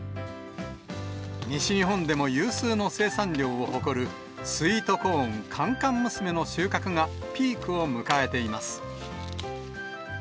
西日本でも有数の生産量を誇るスイートコーン、甘々娘の収穫がピークを迎えています。